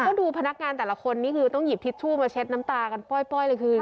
ก็ดูพนักงานแต่ละคนนี่คือต้องหยิบทิชชู่มาเช็ดน้ำตากันป้อยเลยคือ